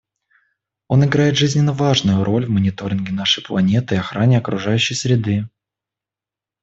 Он играет жизненно важную роль в мониторинге нашей планеты и охране окружающей среды.